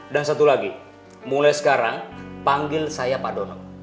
dan satu lagi mulai sekarang panggil saya pak dono